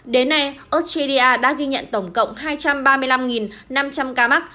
đến nay australia đã ghi nhận tổng cộng hai trăm ba mươi năm năm trăm linh ca mắc